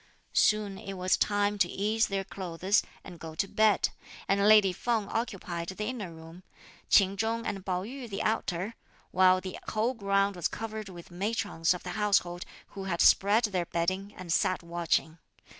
Soon it was time to ease their clothes, and go to bed; and lady Feng occupied the inner room; Ch'in Chung and Pao yü the outer; while the whole ground was covered with matrons of the household, who had spread their bedding, and sat watching.